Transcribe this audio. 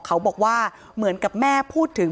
เขาบอกว่าเหมือนกับแม่พูดถึง